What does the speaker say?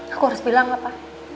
aku harus bilang lepa